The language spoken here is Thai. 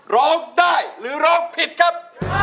ร้องได้หรือร้องผิดครับ